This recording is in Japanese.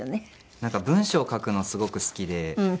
なんか文章を書くのすごく好きで。